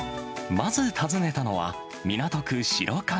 まず訪ねたのは、港区白金。